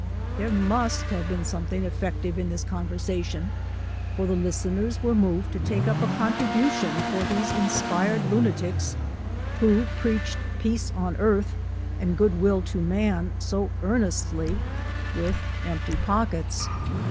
There must have been something effective in this con versation, for the listeners were moved to take up a contribution for these inspired l unati cs, who preached peace on earth and good will to man so earnestly, with empty pockets.